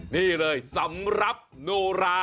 นี่เลยสำหรับโนรา